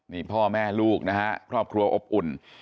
นี่พ่อแม่ลูกนะฮะครอบครัวอบอุ่น